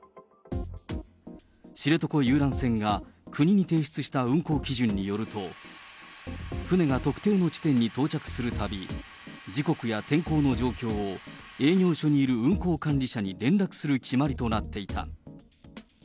知床遊覧船が国に提出した運航基準によると、船が特定の地点に到着するたび、時刻や天候の状況を、営業所にいる運航管理者に連絡する決まりとなっていた。